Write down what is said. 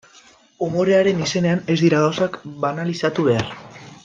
Umorearen izenean ez dira gauzak banalizatu behar.